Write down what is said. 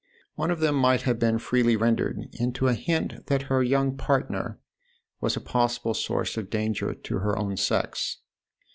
One of them might have been freely rendered into a hint that her young partner was a possible source of danger to her own sex.